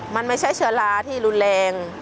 มันไม่ใช่เชื้อราที่รุนแรง